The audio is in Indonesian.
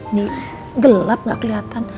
ini gelap gak keliatan